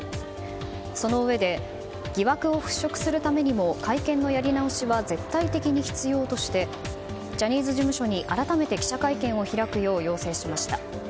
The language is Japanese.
そのうえで疑惑を払拭するためにも会見のやり直しは絶対的に必要としてジャニーズ事務所に改めて記者会見を開くよう要請しました。